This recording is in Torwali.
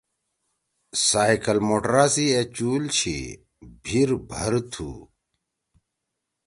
سائکل موٹرا سی اے چُول چھی، بِھر بھر تُھو۔